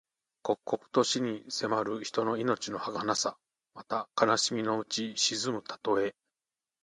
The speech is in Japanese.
刻々と死に迫る人の命のはかなさ。また、悲しみにうち沈むたとえ。